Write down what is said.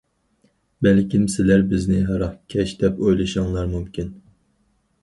بەلكىم سىلەر بىزنى ھاراقكەش دەپ ئويلىشىڭلار مۇمكىن.